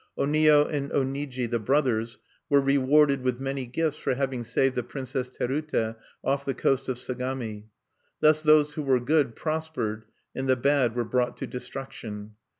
Qnio and Oniji, the brothers, were rewarded with many gifts for having saved the Princess Terute off the coast of Sagami. Thus those who were good prospered, and the bad were brought to destruction.